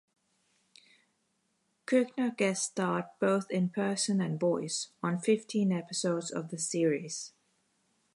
Koechner guest-starred, both in person and voice, on fifteen episodes of the series.